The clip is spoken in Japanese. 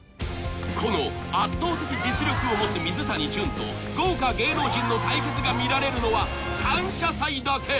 この圧倒的実力を持つ水谷隼と豪華芸能人の対決が見られるのは「感謝祭」だけ一体